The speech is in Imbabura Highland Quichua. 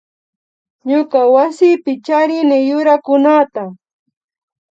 Ñuka wasipi charini yurakunata